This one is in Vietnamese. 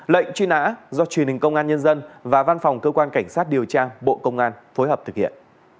lệnh truy nã do truyền hình công an nhân dân và văn phòng cơ quan cảnh sát điều tra bộ công an phối hợp thực hiện